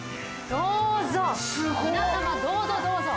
皆様どうぞどうぞ。